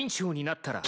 なったら！？